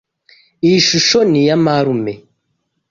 Iyi shusho ni ya marume.